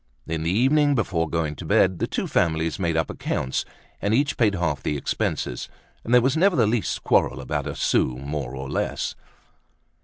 In the evening before going to bed, the two families made up accounts and each paid half the expenses; and there was never the least quarrel about a sou more or less.